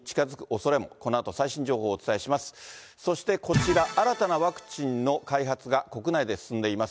そして、こちら、新たなワクチンの開発が国内で進んでいます。